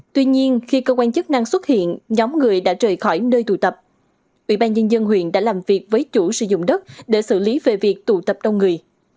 tuy nhiên khi cơ quan chức năng xuất hiện nhóm người đã rời khỏi nơi tụ tập ủy ban nhân dân huyện đã làm việc với chủ sử dụng đất để xử lý về việc tụ tập đông người